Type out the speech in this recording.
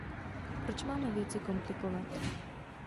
Proč máme věci komplikovat?